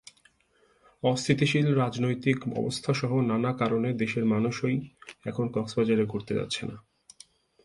অস্থিতিশীল রাজনৈতিক অবস্থাসহ নানা কারণে দেশের মানুষই এখন কক্সবাজারে ঘুরতে যাচ্ছে না।